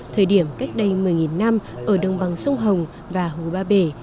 thời điểm cách đây một mươi năm ở đồng bằng sông hồng và hồ ba bể